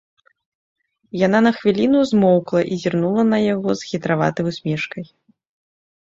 Яна на хвіліну змоўкла і зірнула на яго з хітраватай усмешкай.